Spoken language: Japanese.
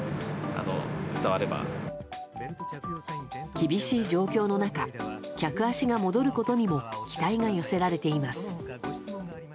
厳しい状況の中客足が戻ることにも期待が寄せられています。